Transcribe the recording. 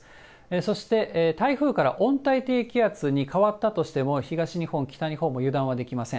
そして台風から温帯低気圧に変わったとしても、東日本、北日本も油断はできません。